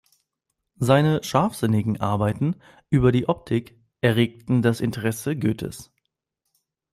Seine scharfsinnigen Arbeiten über die Optik erregten das Interesse Goethes.